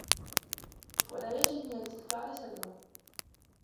وَلَا يَجِدُ مِنْ التَّذْكَارِ سَلْوَةً